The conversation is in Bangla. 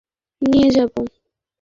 এটাকে পরবর্তী স্তরে নিয়ে যাব।